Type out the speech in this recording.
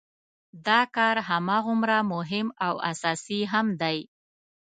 دا کار هماغومره مهم او اساسي هم دی.